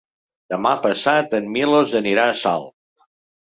Demà passat en Milos anirà a Salt.